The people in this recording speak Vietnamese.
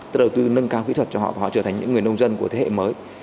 tức đầu tư nâng cao kỹ thuật cho họ và họ trở thành những người nông dân của thế hệ mới